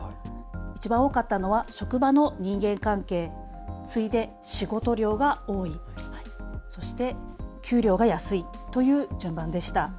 いちばん多かったのは職場の人間関係、次いで仕事量が多い、そして給料が安いという順番でした。